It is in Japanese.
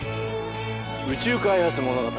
「宇宙開発物語」